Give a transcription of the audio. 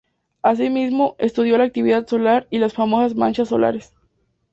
Así mismo, estudió la actividad solar y las famosas manchas solares.